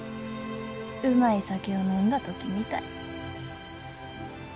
うまい酒を飲んだ時みたい。